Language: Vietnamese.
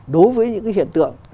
đối với những cái hiện tượng